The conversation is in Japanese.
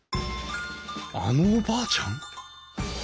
あのおばあちゃん！？